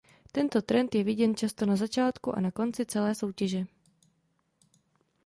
Tento trend je viděn často na začátku a na konci celé soutěže.